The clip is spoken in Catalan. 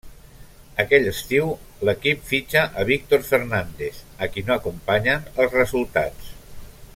Aquell estiu l'equip fitxa a Víctor Fernández, a qui no acompanyen els resultats.